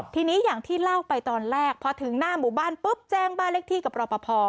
ทีนี้อย่างที่เล่าไปตอนแรกพอถึงหน้าหมู่บ้านปุ๊บแจ้งบ้านเลขที่กับรอปภ